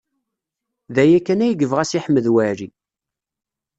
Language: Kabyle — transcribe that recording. D aya kan ay yebɣa Si Ḥmed Waɛli.